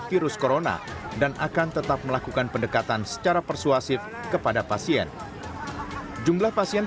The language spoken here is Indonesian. virus corona dan akan tetap melakukan pendekatan secara persuasif kepada pasien jumlah pasien